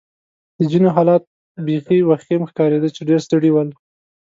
د ځینو حالت بېخي وخیم ښکارېده چې ډېر ستړي ول.